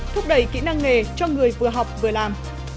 thúc đẩy kỹ năng nghề cho người vừa học vừa làm